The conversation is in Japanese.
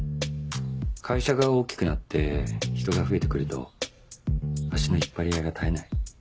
会社が大きくなって人が増えて来ると足の引っ張り合いが絶えない